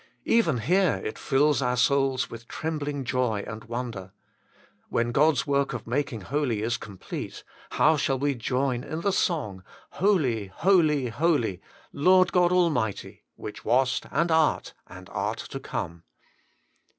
Even here it fills our souls with trembling joy and wonder : when God's work of making holy is complete, how we shall join in the song, ' Holy, Holy, Holy, Lord God Almighty, which wast, and art, and art to come!'